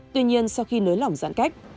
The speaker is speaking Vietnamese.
tuy nhiên sau khi nới lỏng giãn cách